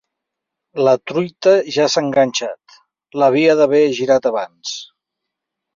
La truita ja s'ha enganxat: l'havia d'haver girat abans.